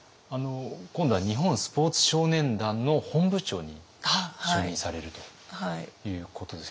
今度は日本スポーツ少年団の本部長に就任されるということですけれども。